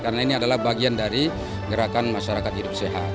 karena ini adalah bagian dari gerakan masyarakat hidup sehat